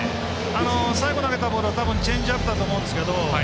最後、投げたボールはたぶんチェンジアップだと思うんですけど。